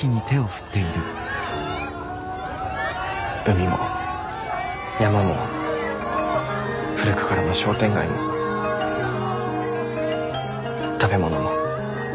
海も山も古くからの商店街も食べ物も。